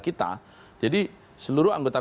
kita jadi seluruh anggota